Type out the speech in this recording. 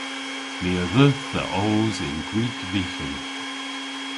Ni a dheuth dhe oos yn gwig vyghan.